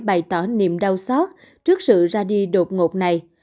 bày tỏ niềm đau sót trước sự ra đi đột ngột này